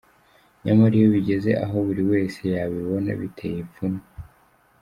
Nyamara iyo bigeze aho buri wese yabibona, bitera ipfunwe.